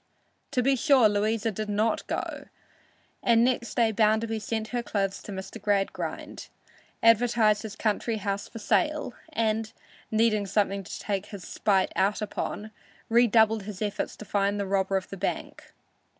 To be sure Louisa did not go, and next day Bounderby sent her clothes to Mr. Gradgrind, advertised his country house for sale, and, needing something to take his spite out upon, redoubled his efforts to find the robber of the bank.